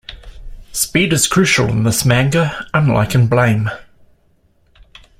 Speed is crucial in this manga, unlike in Blame!